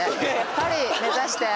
パリ目指して。